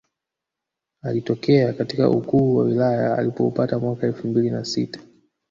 Akitokea katika ukuu wa wilaya alioupata mwaka elfu mbili na sita